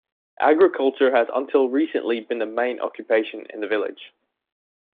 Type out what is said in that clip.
Agriculture has until recently been the main occupation in the village.